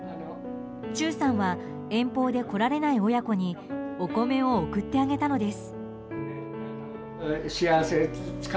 忠さんは遠方で来られない親子にお米を送ってあげたのです。